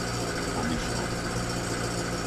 Obišovce